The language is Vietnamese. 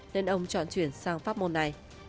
nên ông chọn chuyển sang pháp môn này